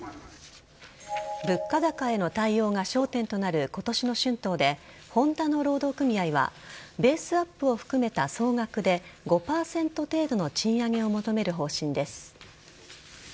物価高への対応が焦点となる今年の春闘でホンダの労働組合はベースアップを含めた総額で５％程度の賃上げを求める方針です。